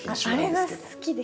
あれが好きです。